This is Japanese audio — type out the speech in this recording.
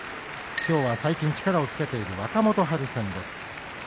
きょうは、最近、力をつけている若元春戦です。